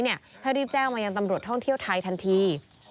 ให้รีบแจ้งมายังตำรวจท่องเที่ยวไทยทันที